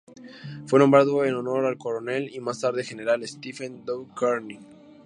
Fue nombrado en honor al coronel, y más tarde general, Stephen W. Kearny.